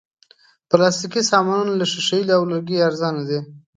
پلاستيکي سامانونه له شیشې او لرګي ارزانه دي.